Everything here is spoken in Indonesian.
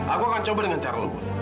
aku akan coba dengan cara lembut